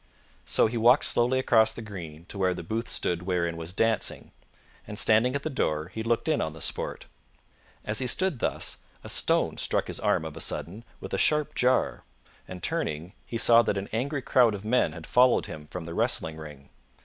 So he walked slowly across the green to where the booth stood wherein was dancing, and standing at the door he looked in on the sport. As he stood thus, a stone struck his arm of a sudden with a sharp jar, and, turning, he saw that an angry crowd of men had followed him from the wrestling ring.